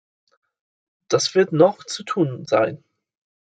Das wird noch zu tun sein.